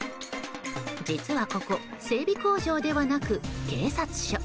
実は、ここ整備工場ではなく警察署。